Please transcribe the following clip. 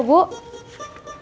tunggu ah tuan